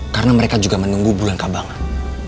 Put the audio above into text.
karena mereka juga menunggu bulan kabangan